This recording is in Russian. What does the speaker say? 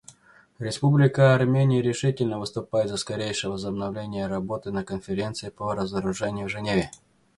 Республика Армения решительно выступает за скорейшее возобновление работы на Конференции по разоружению в Женеве.